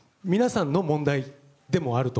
だから皆さんの問題でもあると。